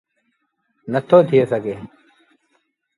نٿو ٿئي سگھي۔